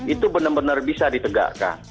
itu benar benar bisa ditegakkan